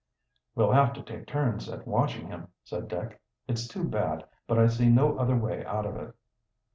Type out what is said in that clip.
"We'll have to take turns at watching him," said Dick. "It's too bad, but I see no other way out of it."